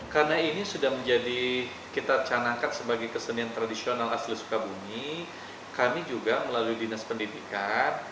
karena ini sudah menjadi kita canangkan sebagai kesenian tradisional asli sukabumi kami juga melalui dinas pendidikan